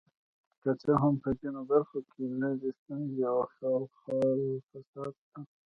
که څه هم په ځینو برخو کې لږې ستونزې او خال خال فساد شته.